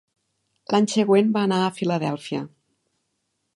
L'any següent va anar a Filadèlfia.